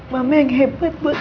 mama yang hebat banget